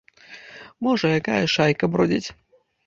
Можа, якая шайка бродзіць.